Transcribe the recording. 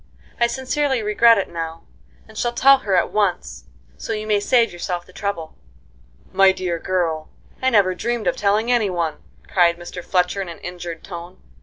I sincerely regret it now, and shall tell her at once, so you may save yourself the trouble." "My dear girl, I never dreamed of telling any one!" cried Mr. Fletcher in an injured tone.